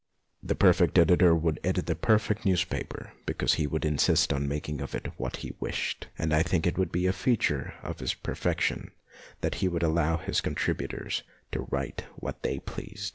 The perfect editor would edit the perfect 160 MONOLOGUES newspaper because he would insist on making of it what he wished, and I think it would be a feature of his perfection that he would allow his contributors to write what they pleased.